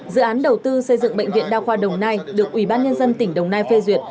dự án đầu tư xây dựng bệnh viện đa khoa đồng nai được ủy ban nhân dân tỉnh đồng nai phê duyệt